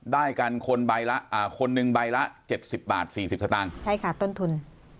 ได้กันคนใบละคนหนึ่งใบละ๗๐บาท๔๐สตางค์ใช่ค่ะต้นทุน